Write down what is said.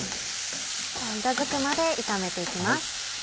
色づくまで炒めていきます。